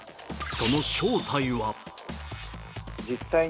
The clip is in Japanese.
その正体は？